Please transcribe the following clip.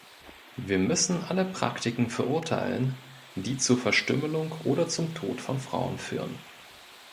Wir müssen alle Praktiken verurteilen, die zur Verstümmelung oder zum Tod von Frauen führen.